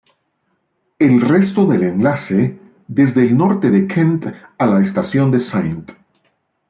El resto del enlace, desde el norte de Kent a la estación de St.